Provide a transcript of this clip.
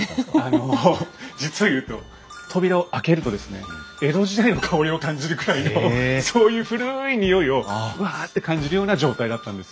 あの実を言うと扉を開けるとですね江戸時代の香りを感じるくらいのそういう古い匂いをうわって感じるような状態だったんですよ。